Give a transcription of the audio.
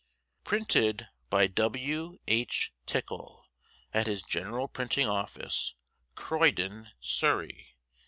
Printed by W. H. TICKLE, at his General Printing Office, Croydon, Surrey.